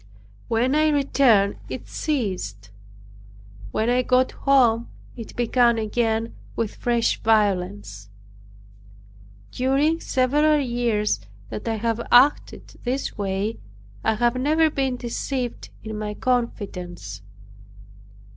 When I returned it ceased. When I got home it began again with fresh violence. During several years that I have acted this way, I have never been deceived in my confidence.